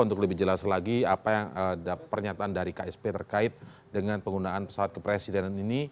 untuk lebih jelas lagi apa yang ada pernyataan dari ksp terkait dengan penggunaan pesawat kepresidenan ini